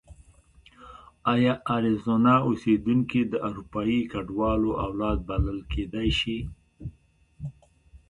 ایا اریزونا اوسېدونکي د اروپایي کډوالو اولاد بلل کېدای شي؟